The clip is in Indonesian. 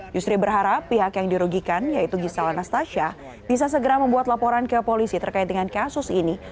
yusri berharap pihak yang dirugikan yaitu gisal anastasia bisa segera membuat laporan ke polisi terkait dengan kasus ini